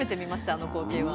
あの光景は。